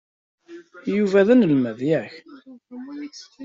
Yuba d anelmad, yak?